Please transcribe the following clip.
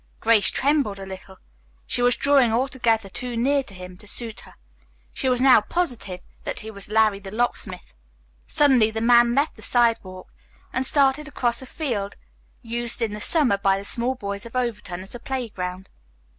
Grace trembled a little. She was drawing altogether too near to him to suit her. She was now positive that he was "Larry, the Locksmith." Suddenly the man left the sidewalk and started across a field used in the summer by the small boys of Overton as a playground.